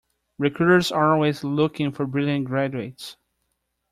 Recruiters are always looking for brilliant graduates.